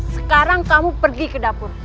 sekarang kamu pergi ke dapur